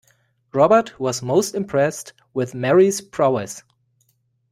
Robert was most impressed with Mary's prowess.